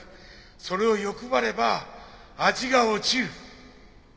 それを欲張れば味が落ちる。